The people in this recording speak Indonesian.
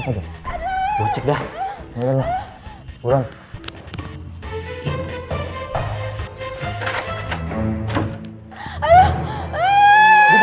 aduh kepala ku sakit